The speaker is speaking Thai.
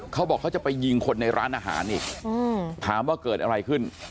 เขาบอกเขาจะไปยิงคนในร้านอาหารอีกถามว่าเกิดอะไรขึ้น